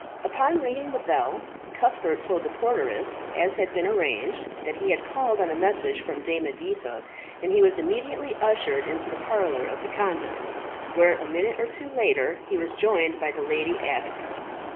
Upon ringing the bell, Cuthbert told the porteress, as had been arranged, that he had called on a message from Dame Editha, and he was immediately ushered into the parlour of the convent, where, a minute or two later, he was joined by the lady abbess.